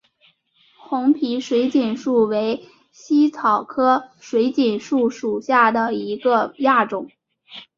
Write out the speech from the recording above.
红皮水锦树为茜草科水锦树属下的一个亚种。